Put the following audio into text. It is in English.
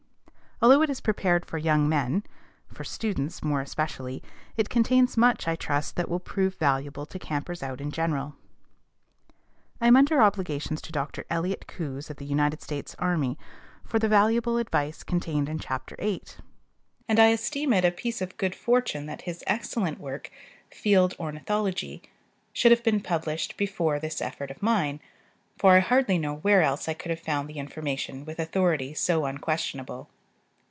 Although it is prepared for young men, for students more especially, it contains much, I trust, that will prove valuable to campers out in general. I am under obligations to Dr. Elliott Coues, of the United States Army, for the valuable advice contained in Chapter XIII.; and I esteem it a piece of good fortune that his excellent work ("Field Ornithology") should have been published before this effort of mine, for I hardly know where else I could have found the information with authority so unquestionable.